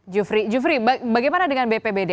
jufri jufri bagaimana dengan bpbd